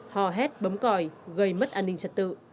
hò hét bấm còi gây mất an ninh trật tự